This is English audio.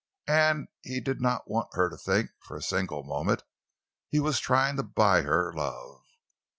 And he did not want her to think for a single moment he was trying to buy her love.